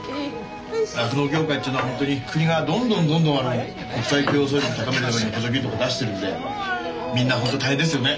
酪農業界っていうのはホントに国がどんどんどんどん国際競争力高めるために補助金とか出してるんでみんなホント大変ですよね。